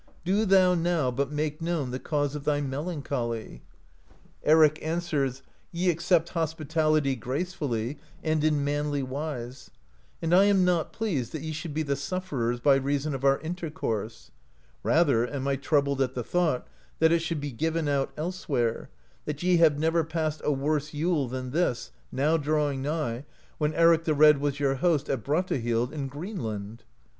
Do thou now but make known the cause of thy melancholy." Eric answers : "Ye accept hospitality gracefully, and in manly wise, and I am not pleased that ye should be the sufferers by reason of our intercourse; rather am I troubled at the thought, that it should be given out elsewhere, that ye have never passed a worse Yule than this, now drawing nigh, when Eric the Red was your host at Brattahlid in Greenland."